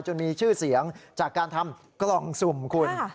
มีชื่อเสียงจากการทำกล่องสุ่มคุณ